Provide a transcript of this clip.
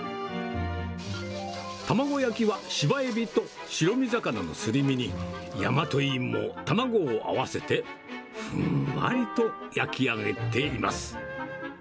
卵焼きは芝エビと白身魚のすり身に、ヤマトイモ、卵を合わせて、ふんわりと焼き上げています。